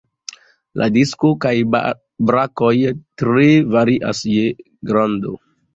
La disko kaj brakoj tre varias je grando.